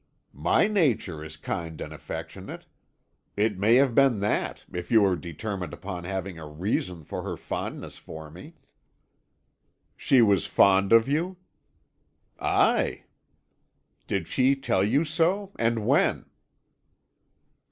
"My nature is kind and affectionate. It may have been that, if you are determined upon having a reason for her fondness for me." "She was fond of you?" "Aye." "Did she tell you so, and when?"